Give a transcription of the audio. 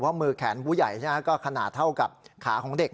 มือแขนผู้ใหญ่ก็ขนาดเท่ากับขาของเด็ก